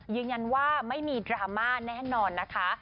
ยืนยันว่าไม่มีดราม่าแน่นอนนะคะ